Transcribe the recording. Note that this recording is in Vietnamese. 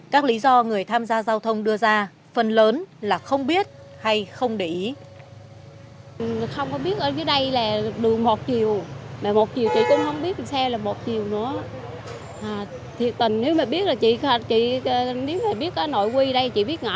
các lý do người tham gia giao thông đưa ra phần lớn là không biết hay không để ý